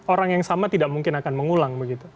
orang yang sama tidak mungkin akan mengulang begitu